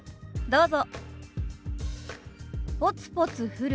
どうぞ。